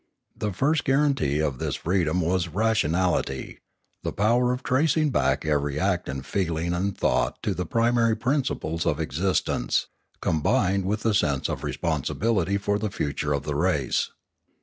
The first guar anty of this freedom was rationality, the power of tracing back every act and feeling and thought to the primary principles of existence, combined with the sense of responsibility for the future of the race.